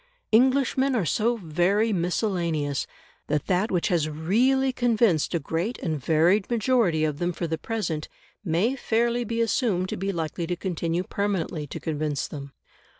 Englishmen are so very miscellaneous, that that which has REALLY convinced a great and varied majority of them for the present may fairly be assumed to be likely to continue permanently to convince them.